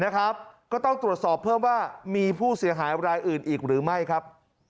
ก็ต้องตรวจสอบเพิ่มว่ามีผู้เสียหายรายอื่นอีกหรือไม่ครับ